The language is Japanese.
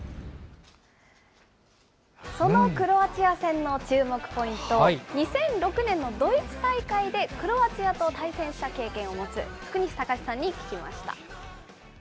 そのクロアチア戦の注目ポイント、２００６年のドイツ大会でクロアチアと対戦した経験を持つ福西崇史さんに聞きました。